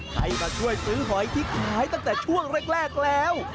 ให้มาช่วยซื้อหอยที่ขายตั้งแต่ช่วงแรกแล้ว